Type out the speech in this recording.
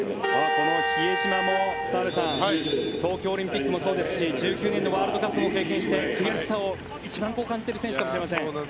この比江島も澤部さん東京オリンピックもそうですし１９年のワールドカップも経験して悔しさを一番感じている選手かもしれません。